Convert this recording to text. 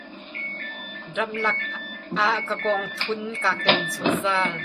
Ramlak ah ka kawngthun kaa ken zungzal.